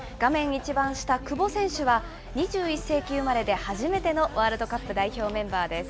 一番下、久保選手は、２１世紀生まれで初めてのワールドカップ代表メンバーです。